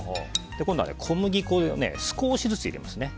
今度は小麦粉を少しずつ入れます。